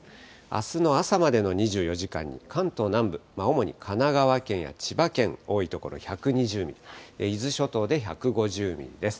あすの朝までの２４時間に、関東南部、主に神奈川県や千葉県、多い所、１２０ミリ、伊豆諸島で１５０ミリです。